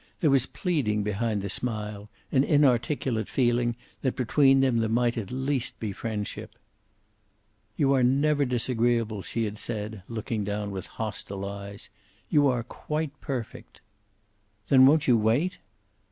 There was pleading behind the smile, an inarticulate feeling that between them there might at least be friendship. "You are never disagreeable," she had said, looking down with hostile eyes. "You are quite perfect." "Then won't you wait?"